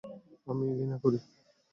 আমি ঘৃণা করি।